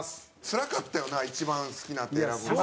つらかったよな一番好きなんって選ぶの。